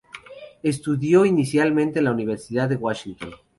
Estudió inicialmente en la Universidad de Washington.